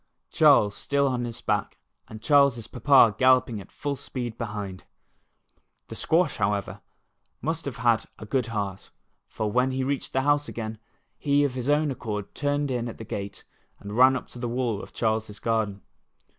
Charles still on his back and Charles s papa galloping at full speed behind. The squash, however, must have had a good 8 A Quick Running Squash. heart, for when he reached the house again, he of his own accord turned in at the gate and ran up to the wall of Charles's garden.